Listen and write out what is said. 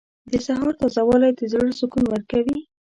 • د سهار تازه والی د زړه سکون ورکوي.